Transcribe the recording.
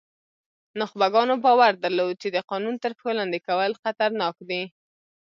نخبګانو باور درلود چې د قانون تر پښو لاندې کول خطرناک دي.